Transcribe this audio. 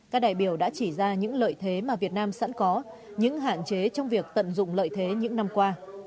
các đại biểu đã chỉ ra những lợi thế mà việt nam sẵn có những hạn chế trong việc tận dụng lợi thế những năm qua